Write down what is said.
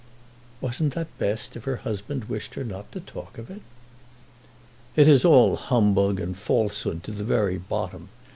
"Wasn't that best if her husband wished her not to talk of it?" "It is all humbug and falsehood to the very bottom.